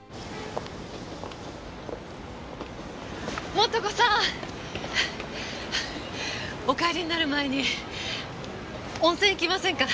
元子さん！お帰りになる前に温泉行きませんか？